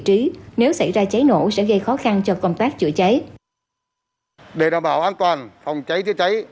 trí nếu xảy ra cháy nổ sẽ gây khó khăn cho công tác chữa cháy để đảm bảo an toàn phòng cháy chữa cháy